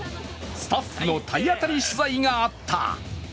スタッフの体当たり取材があった。